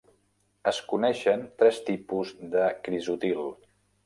Es coneixen tres tipus de crisotil.